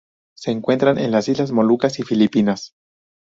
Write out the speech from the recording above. Se encuentran en las Islas Molucas y Filipinas.